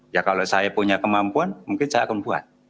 ya kalau saya punya kemampuan mungkin saya akan buat